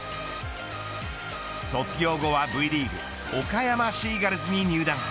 卒業後はＶリーグ岡山シーガルズに入団。